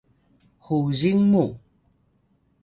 huzin muw